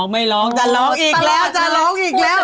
ไม่ร้องจะร้องอีกแล้ว